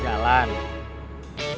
jalan kaki lebih lama soal sampenya